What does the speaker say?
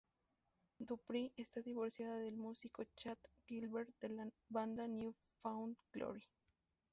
DuPree está divorciada del músico Chad Gilbert de la banda New Found Glory.